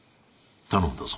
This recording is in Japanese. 頼んだぞ。